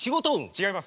違います。